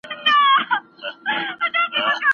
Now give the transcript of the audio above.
او درد د حقيقت برخه ده.